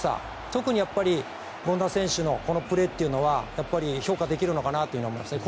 特に権田選手のこのプレーは評価できるかなと思いますね。